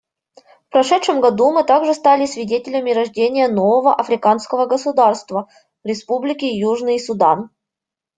В прошедшем году мы также стали свидетелями рождения нового африканского государства — Республики Южный Судан.